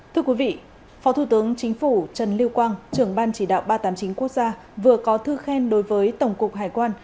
thưa quý vị phó thủ tướng chính phủ trần lưu quang trưởng ban chỉ đạo ba trăm tám mươi chín quốc gia vừa có thư khen đối với tổng cục hải quan